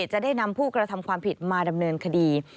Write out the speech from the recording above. จะได้นำผู้กระทำความผิดมาดำเนินคดี